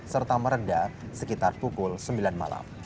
serta merendah sekitar pukul sembilan malam